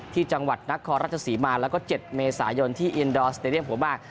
ที่จังหวัดนักคอรัชศรีมาแล้วก็๗เมษายนที่อินดอร์สเตอร์เรียมหัวบ้าง